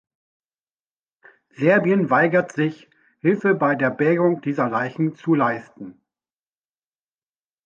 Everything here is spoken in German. Serbien weigert sich, Hilfe bei der Bergung dieser Leichen zu leisten.